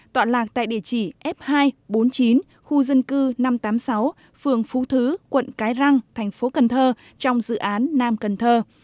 tọa lạc tại địa chỉ f hai bốn mươi chín khu dân cư năm trăm tám mươi sáu phường phú thứ quận cái răng thành phố cần thơ trong dự án nam cần thơ